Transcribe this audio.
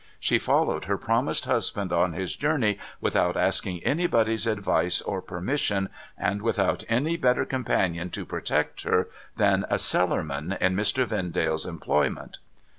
She followed her promised husband on his journey, without asking anybody's advice or permission, and without any better companion to protect her than a Cellarman in Mr. Vendale's employment.'